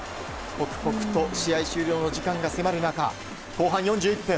刻々と試合の終了が迫る中、後半４１分。